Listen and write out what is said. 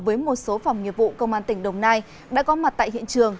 với một số phòng nghiệp vụ công an tỉnh đồng nai đã có mặt tại hiện trường